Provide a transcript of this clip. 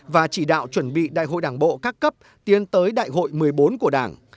và chỉ đạo chuẩn bị đại hội đảng bộ các cấp tiến tới đại hội một mươi bốn của đảng